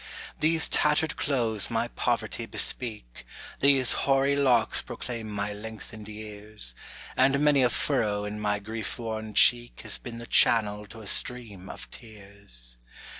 These tattered clothes my poverty bespeak, These hoary locks proclaim my lengthened years; And many a furrow in my grief worn cheek Has been the channel to a stream of tears.